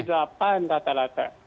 jadi delapan rata rata